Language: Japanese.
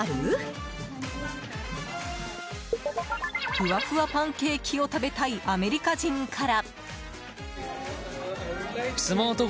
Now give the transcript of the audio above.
ふわふわパンケーキを食べたいアメリカ人から。